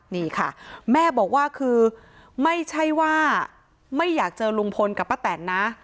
นี่ค่ะแม่บอกว่าคือไม่ใช่ว่าไม่อยากเจอลุงพลกับป้าแตนนะ